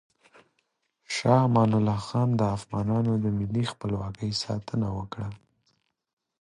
شاه امان الله خان د افغانانو د ملي خپلواکۍ ساتنه وکړه.